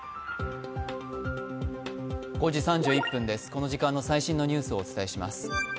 この時間の最新のニュースをお伝えします。